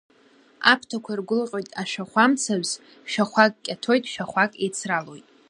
Аԥҭақәа иргәылҟьоит ашәахәа-мцабз, шәахәак кьаҭоит, шәахәак еицралоит.